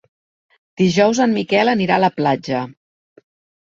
Dijous en Miquel anirà a la platja.